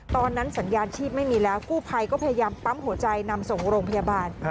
ตอนนั้นสัญญาณชีพไม่มีแล้วกู้ภัยก็พยายามปั๊มหัวใจนำส่งโรงพยาบาล